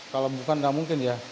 kalau bukan nggak mungkin ya